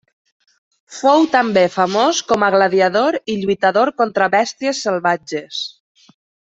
Fou també famós com a gladiador i lluitador contra bèsties salvatges.